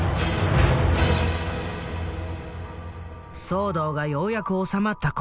騒動がようやく収まった頃。